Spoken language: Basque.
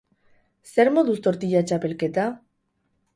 Zer moduz tortilla txapelketa?